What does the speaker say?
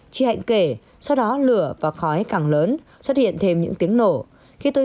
chị hạnh kể sau đó lửa và khói càng lớn xuất hiện thêm những tiếng nổ